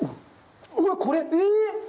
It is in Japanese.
うわっこれ？え！